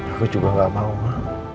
aku juga gak mau mah